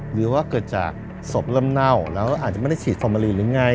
หรือว่าเกิดจากศพเริ่มเน่าแล้วอาจจะไม่ได้ฉีดฟอร์มาลีนหรือไง